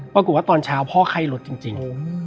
ปรากฎว่าตอนเช้าพ่อไข้ลดจริง